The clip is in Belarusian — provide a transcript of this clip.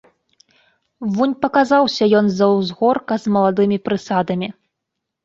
Вунь паказаўся ён з-за ўзгорка з маладымі прысадамі.